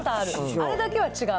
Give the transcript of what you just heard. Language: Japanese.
あれだけは違う？